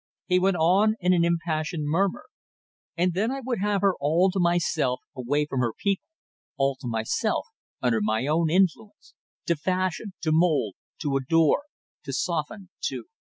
He went on in an impassioned murmur "And then I would have her all to myself away from her people all to myself under my own influence to fashion to mould to adore to soften to